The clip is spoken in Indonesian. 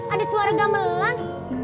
ada suara gamelan